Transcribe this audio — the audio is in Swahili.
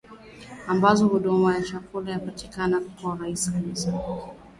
ambazo huduma ya chakula inapatikana kwa urahisi kabisa